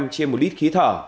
trên một lít khí thở